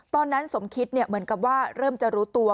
ตอนนั้นสมคิดเนี่ยเหมือนกับว่าเริ่มจะรู้ตัว